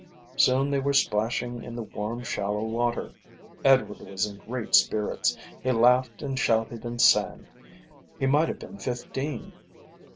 Soon they were splashing in the warm, shallow water. Edward was in great spirits. He laughed and shouted and sang. He might have been fifteen.